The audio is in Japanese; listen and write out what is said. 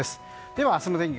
では明日の天気